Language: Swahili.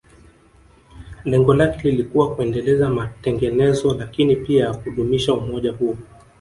Lengo lake lilikuwa kuendeleza matengenezo lakini pia kudumisha umoja huo